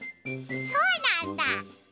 そうなんだ！